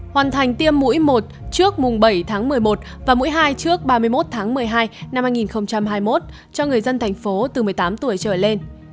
hoàn thành tiêm mũi một trước mùng bảy tháng một mươi một và mũi hai trước ba mươi một tháng một mươi hai năm hai nghìn hai mươi một cho người dân thành phố từ một mươi tám tuổi trở lên